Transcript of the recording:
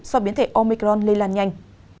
do biến thể omicron lây lan nhanh